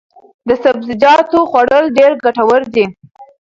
د سبزیجاتو خوړل ډېر ګټور دي.